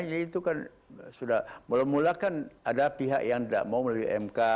jadi itu kan sudah mula mula kan ada pihak yang tidak mau melalui mk